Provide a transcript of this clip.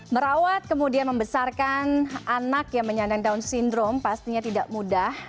merawat kemudian membesarkan anak yang menyandang down syndrome pastinya tidak mudah